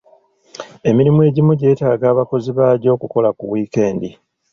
Emirimu egimu gyeetaaga abakozi baagyo okukola ku wiikendi.